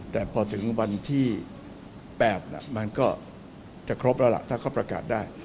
แต่พอถึงวันที่๘มันก็จะครบแล้วล่ะถ้าเขาประกาศได้